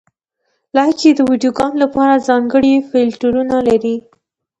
لایکي د ویډیوګانو لپاره ځانګړي فېلټرونه لري.